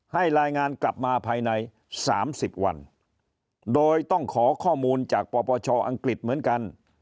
ให้รายงานกลับมาภายใน๓๐วันโดยต้องขอข้อมูลจากปปชอังกฤษเหมือนกัน